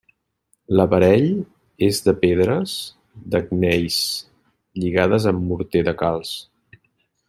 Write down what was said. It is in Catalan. L'aparell és de pedres de gneis lligades amb morter de calç.